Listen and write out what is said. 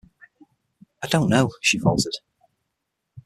“I don’t know,” she faltered.